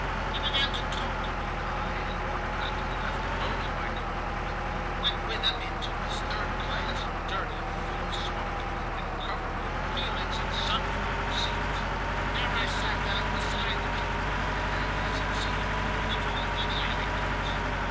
He began to talk to me, and I, in order not to be left alone in my compartment, went with him into his third class, dirty, full of smoke, and covered with peelings and sunflower seeds. There I sat down beside the Jew, and, as it seemed, he told many anecdotes.